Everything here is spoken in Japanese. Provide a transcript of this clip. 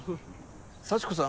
幸子さん